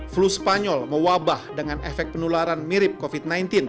flu spanyol mewabah dengan efek penularan mirip covid sembilan belas